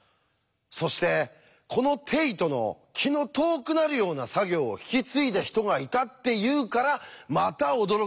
そしてこのテイトの気の遠くなるような作業を引き継いだ人がいたっていうからまた驚きです。